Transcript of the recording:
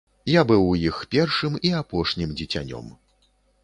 Я быў у іх першым і апошнім дзіцянём.